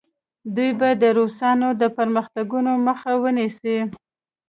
دوی به د روسانو د پرمختګونو مخه ونیسي.